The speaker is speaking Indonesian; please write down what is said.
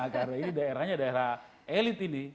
karena ini daerahnya daerah elit ini